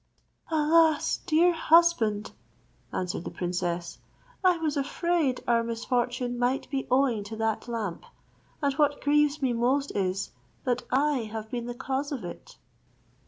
"Alas! dear husband," answered the princess, "I was afraid our misfortune might be owing to that lamp: and what grieves me most is, that I have been the cause of it."